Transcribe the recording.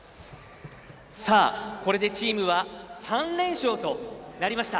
これでチームは３連勝となりました。